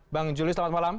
bang julius selamat malam